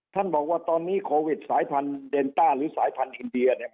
บอกว่าตอนนี้โควิดสายพันธุเดนต้าหรือสายพันธุ์อินเดียเนี่ย